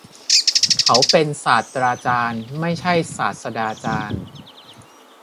เขาเป็นศาสตราจารย์ ไม่ใช่ศาสดาจารย์